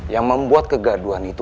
yang membuat kegaduhan itu